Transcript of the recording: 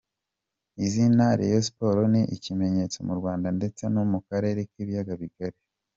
Izina Rayon Sports ni ikimenyabose mu Rwanda ndetse no mu karere k’ibiyaga bigari.